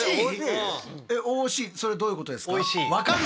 それどういうことですか？